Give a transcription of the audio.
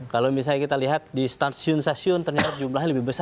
kalau misalnya kita lihat di stasiun stasiun ternyata jumlahnya lebih besar